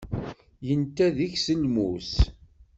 Yenta deg-s lmus.